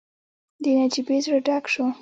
د نجيبې زړه ډک شو.